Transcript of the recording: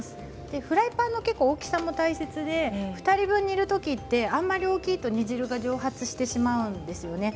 フライパンの大きさも大切で２人分を煮るときあまり大きいと煮汁が蒸発してしまうんですよね。